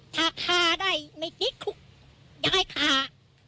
ถ้าฆ่าได้ไม่ติดคุกย้ายฆ่า